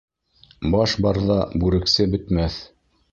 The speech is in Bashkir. Баш барҙа бүрексе бөтмәҫ